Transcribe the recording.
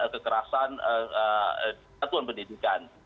kekerasan di satuan pendidikan